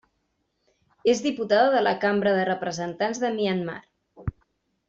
És diputada de la Cambra de Representants de Myanmar.